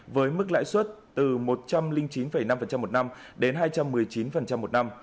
với mức lãi suất từ một trăm linh chín năm một năm đến hai trăm một mươi chín một năm